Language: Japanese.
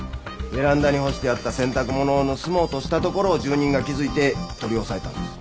ベランダに干してあった洗濯物を盗もうとしたところを住人が気づいて取り押さえたんです。